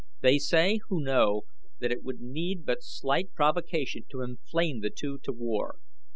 They say, who know, that it would need but slight provocation to inflame the two to war.